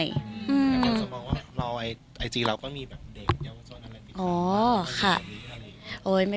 อยากจะบอกว่าไอจีเราก็มีเด็กเยอะส่วนอันนั้น